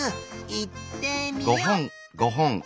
いってみよっ！